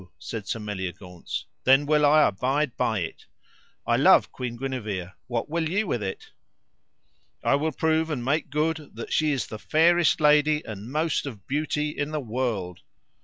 said Sir Meliagaunce, then will I abide by it: I love Queen Guenever, what will ye with it? I will prove and make good that she is the fairest lady and most of beauty in the world.